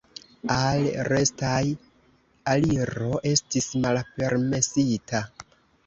Al restaj aliro estis malpermesita.